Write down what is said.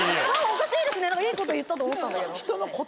おかしいですねいいこと言ったと思ったんだけど。